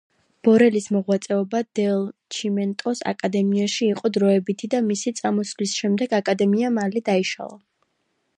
ბორელის მოღვაწეობა დელ ჩიმენტოს აკადემიაში იყო დროებითი და მისი წამოსვლის შემდეგ აკადემია მალე დაიშალა.